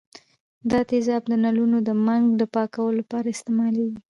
دا تیزاب د نلونو د منګ د پاکولو لپاره استعمالیږي.